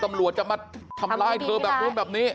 ตำรวจจะมาทำร้ายเธอแบบนู้นแบบนี้